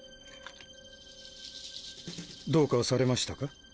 どうかされましたか？